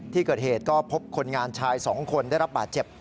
ที่เกิดเหตุก็พบคนงานชาย๒คนได้รับบาดเจ็บ